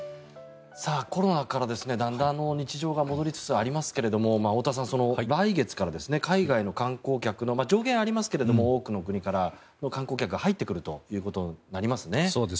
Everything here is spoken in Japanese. コロナからだんだん日常が戻りつつありますが太田さん、来月から海外の観光客の上限はありますけれども多くの国からの観光客が入ってくることになりますね。